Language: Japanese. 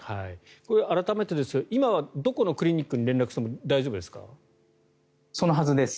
これ改めてですが今はどこのクリニックに連絡してもそのはずです。